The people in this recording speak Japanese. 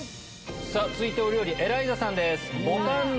さぁ続いてお料理エライザさんです。